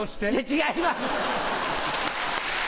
違います！